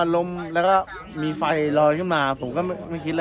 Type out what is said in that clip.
ลมแล้วก็มีไฟลอยขึ้นมาผมก็ไม่คิดอะไร